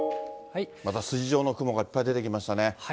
また筋状の雲がいっぱい出てきましたね。